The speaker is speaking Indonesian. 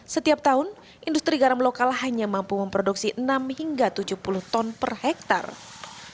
setiap tahun industri garam lokal hanya mampu memproduksi enam hingga tujuh puluh ton per hektare